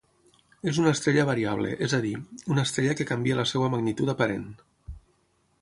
És una estrella variable, és a dir, una estrella que canvia la seva magnitud aparent.